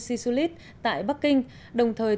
sisulit tại bắc kinh đồng thời